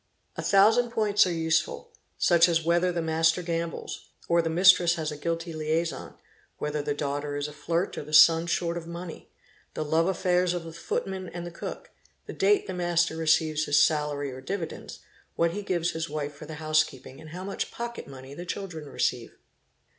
A thousand points are useful, such as whether the master gambles, or the mistress has a guilty liason, whether the daughter is a flirt, or the son short of money, —the love affairs of the footman and the cook, the date the master receives his salary or dividends, what he gives his wife for the housekeeping, and how much pocket money the children receive.